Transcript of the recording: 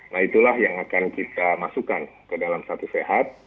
nah itulah yang akan kita masukkan ke dalam satu sehat